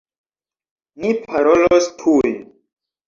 Ni parolos tuj!